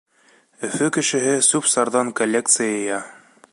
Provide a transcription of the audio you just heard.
Өфө кешеһе сүп-сарҙан коллекция йыя.